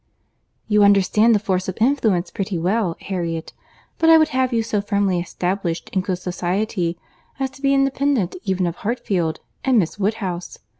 "You understand the force of influence pretty well, Harriet; but I would have you so firmly established in good society, as to be independent even of Hartfield and Miss Woodhouse.